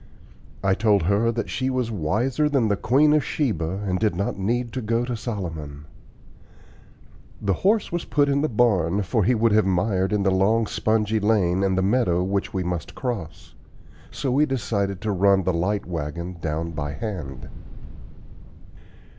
I told her that she was wiser than the queen of Sheba and did not need to go to Solomon. The horse was put in the barn, for he would have mired in the long spongy lane and the meadow which we must cross. So we decided to run the light wagon down by hand.